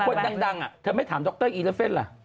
คนดังอะเธอไม่ถามดรอีเลฟเฟสล่ะ